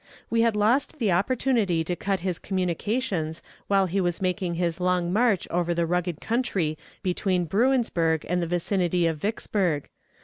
We had lost the opportunity to cut his communications while he was making his long march over the rugged country between Bruinsburg and the vicinity of Vicksburg.